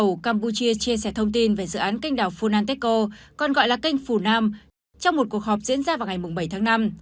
phó thủ tướng campuchia chia sẻ thông tin về dự án kênh đảo phunanteco còn gọi là kênh phunam trong một cuộc họp diễn ra vào ngày bảy tháng năm